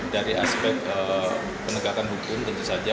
dari aspek penegakan hukum tentu saja